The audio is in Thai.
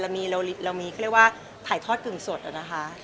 เรามีคือเรามีใครเรียกว่าถ่ายทอดกึ่งสดอะนะคะ